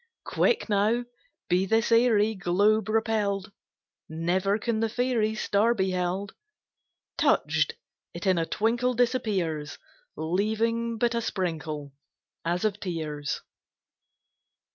Quick now! be this airy Globe repell'd! Never can the fairy Star be held. Touch'd it in a twinkle Disappears! Leaving but a sprinkle, As of tears.